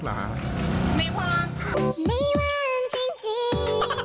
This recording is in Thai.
ไม่ว่างจริง